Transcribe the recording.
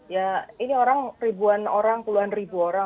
ya ini orang ribuan orang puluhan ribu orang